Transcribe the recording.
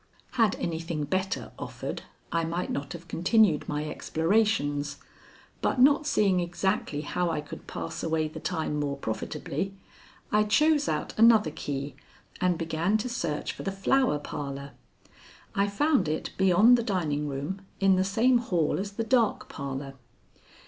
Had anything better offered I might not have continued my explorations, but not seeing exactly how I could pass away the time more profitably, I chose out another key and began to search for the Flower Parlor. I found it beyond the dining room in the same hall as the Dark Parlor.